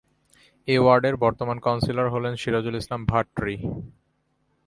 এ ওয়ার্ডের বর্তমান কাউন্সিলর হলেন সিরাজুল ইসলাম ভাট্রি।